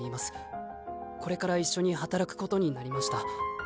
これから一緒に働くことになりました。